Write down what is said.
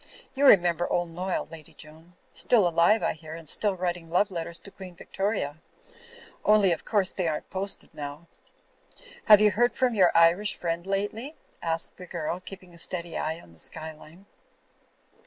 You remember old Noyle, Lady Joan. Still alive, I hear, and still writing love letters to Queen Victoria. Only of course they aren't posted now." "Have you heard from your Irish friend lately?" asked the girl, keeping a steady eye on the sky line.